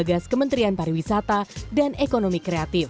yang digagas kementrian pariwisata dan ekonomi kreatif